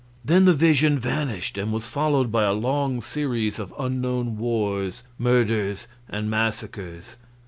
Then the vision vanished, and was followed by a long series of unknown wars, murders, and massacres.